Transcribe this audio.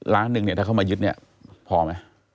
ล้านหนึ่งถ้าเข้ามายึดพอไหม